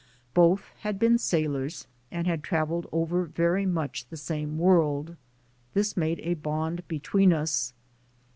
Both had been sailors and had traveled over very much the same world; this made a bond between us.